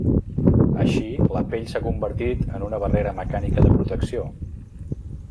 Així la pell s'ha convertit en una barrera mecànica de protecció.